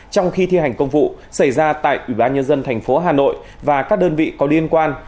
trong khi thi hành công vụ xảy ra tại ủy ban nhân dân tp hà nội và các đơn vị có liên quan